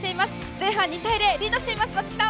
前半、２対０とリードしています松木さん！